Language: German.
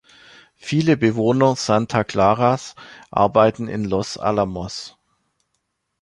Viele Bewohner Santa Claras arbeiten in Los Alamos.